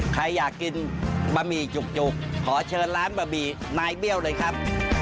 ใครอยากกินบะหมี่จุกขอเชิญร้านบะหมี่นายเบี้ยวเลยครับ